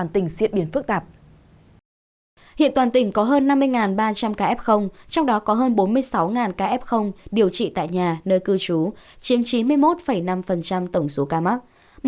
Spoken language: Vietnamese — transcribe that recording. hiện toàn tỉnh có hơn năm mươi ba trăm linh ca f trong đó có hơn bốn mươi sáu ca f điều trị tại nhà nơi cư trú chiếm chín mươi một năm tổng số ca mắc